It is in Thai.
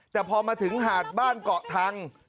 แต่พอมาถึงหาดบ้านเกาะทัง